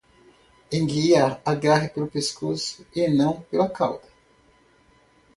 Enguia, agarre pelo pescoço e não pela cauda.